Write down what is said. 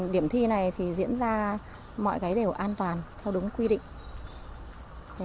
điểm thi này thì diễn ra mọi cái đều an toàn theo đúng quy định